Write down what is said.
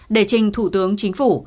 để trình thủ tướng chính phủ